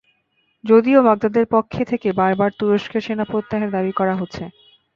যদিও বাগদাদের পক্ষ থেকে বারবার তুরস্কের সেনা প্রত্যাহারের দাবি করা হচ্ছে।